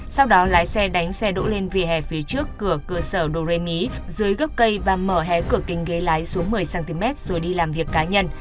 sau đó lái xe đánh xe đỗ lên vỉa hè phía trước cửa cơ sở doremi dưới gốc cây và mở hé cửa kính ghế lái xuống một mươi cm rồi đi làm việc cá nhân